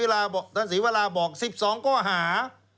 ท่านศรีวราบอก๑๒ข้อหา